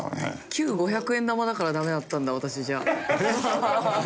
旧５００円玉だからダメだったんだ私じゃあ。